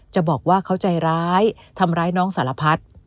จะบอกว่าเขาใจร้ายทำร้ายน้องสารพัด